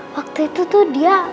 waktu itu tuh dia